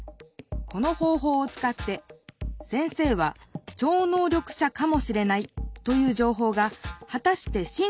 この方ほうをつかって先生は超能力者かもしれないというじょうほうがはたしてしん